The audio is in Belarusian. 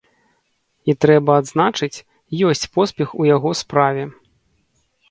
І трэба адзначыць, ёсць поспех у яго справе.